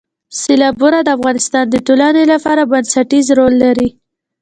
سیلابونه د افغانستان د ټولنې لپاره بنسټيز رول لري.